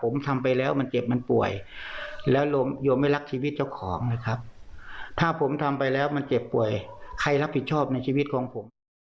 นั่นแหละครับนั่นคือเหตุผลในชีวิตของผม